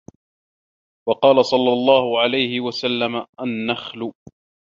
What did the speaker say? وَقَالَ صَلَّى اللَّهُ عَلَيْهِ وَسَلَّمَ النَّخْلُ